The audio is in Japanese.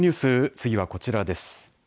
次はこちらです。